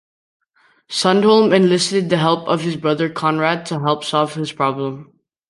Sundholm enlisted the help of his brother Conrad to help solve his problem.